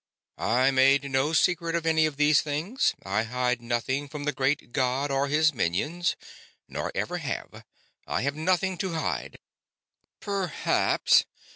"I made no secret of any of these things. I hide nothing from the great god or his minions, nor ever have. I have nothing to hide." "Perhaps.